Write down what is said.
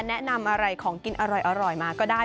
แนะนำอะไรของกินอร่อยมาก็ได้